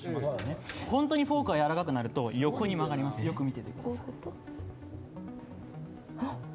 本当にフォークがやわらかくなると横に曲がります、よく見ててくださいね。